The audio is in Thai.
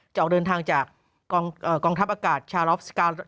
ออกเดินทางจากกองทัพอากาศชาลอฟสกาว